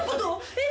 えっ？